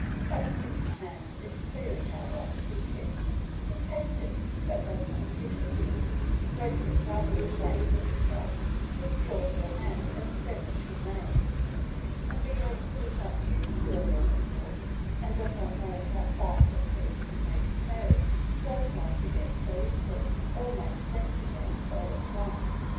That pretty hand is clearly held out to be kissed; he takes it but does not kiss it. Sophy, rather ashamed of herself, withdraws her hand as best she may. Emile, who is not used to a woman's whims, and does not know how far caprice may be carried, does not forget so easily or make friends again all at once.